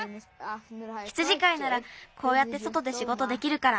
羊飼いならこうやってそとでしごとできるから。